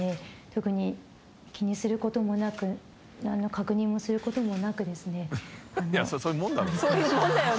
特に気にすることもなく何の確認もすることもなくですね食べてしまいました。